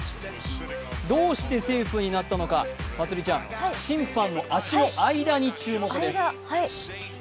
どうしてセーフになったのかまつりちゃん、審判の足の間に注目です。